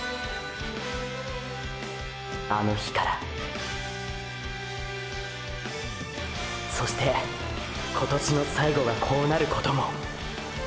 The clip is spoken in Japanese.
あの日からそして今年の最後がこうなることもーー